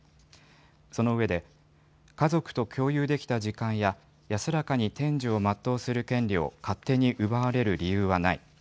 その上で、家族と共有できた時間や、安らかに天寿を全うする権利を勝手に奪われる理由はない。